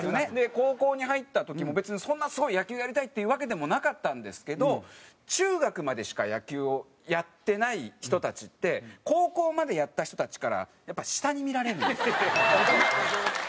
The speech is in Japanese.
高校に入った時も別にそんなすごい野球やりたいっていうわけでもなかったんですけど中学までしか野球をやってない人たちって高校までやった人たちからやっぱ下に見られるんですよ。